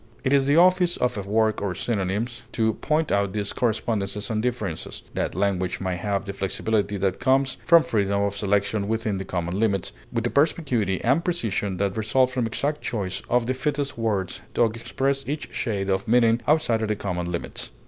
It is the office of a work on synonyms to point out these correspondences and differences, that language may have the flexibility that comes from freedom of selection within the common limits, with the perspicuity and precision that result from exact choice of the fittest words to express each shade of meaning outside of the common limits.